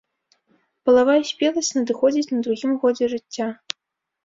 Палавая спеласць надыходзіць на другім годзе жыцця.